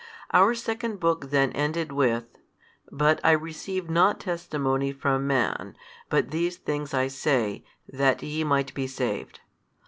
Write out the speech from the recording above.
Our second book then ended with, But I receive not testimony from man; but these things I say, that YE might be saved.